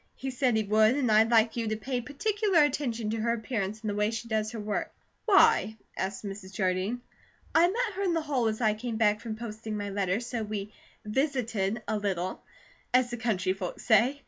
He said he would, and I'd like you to pay particular attention to her appearance, and the way she does her work." "Why?" asked Mrs. Jardine. "I met her in the hall as I came back from posting my letter, so we 'visited' a little, as the country folks say.